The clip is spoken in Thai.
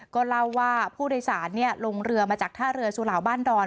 ก็เล่าว่าผู้โดยสารลงเรือมาจากท่าเรือสุเหล่าบ้านดอน